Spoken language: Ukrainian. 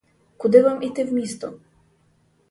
Куди вам іти в місто?